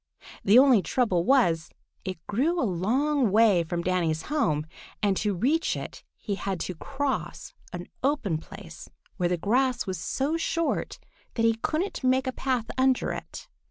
The only trouble was it grew a long way from Danny's home, and to reach it he had to cross an open place where the grass was so short that he couldn't make a path under it.